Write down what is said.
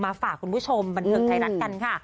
ฝากคุณผู้ชมบันเทิงไทยรัฐกันค่ะ